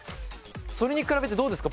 それに比べてどうですか？